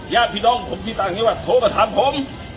ญาติพี่น้องผมที่ต่างจังหวัดโทรมาถามผม